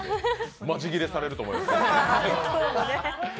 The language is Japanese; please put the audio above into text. マジ切れされると思いますけど。